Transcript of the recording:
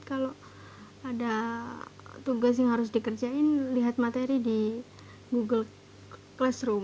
kalau ada tugas yang harus dikerjain lihat materi di google classroom